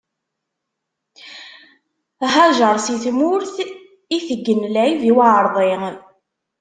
Hajeṛ si tmurt itegen lɛib i uɛeṛḍi.